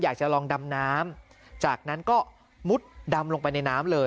อยากจะลองดำน้ำจากนั้นก็มุดดำลงไปในน้ำเลย